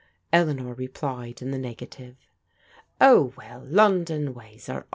Eleanor replied in the negative. ^" Oh, well, London Yjays ^t^ dX.